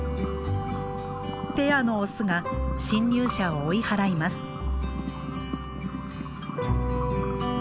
ペアのオスが侵入者を追い払います。